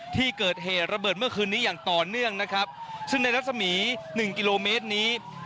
ที่เกิดเหตุระเบิดเมื่อคืนนี้อย่างต่อเนื่องนะครับซึ่งในรัศมีหนึ่งกิโลเมตรนี้